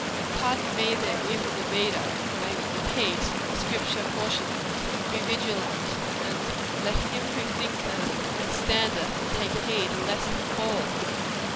Pardon me, then, youthful reader, when I repeat the Scripture cautions "Be vigilant;" and "Let him who thinketh he standeth, take heed lest he fall."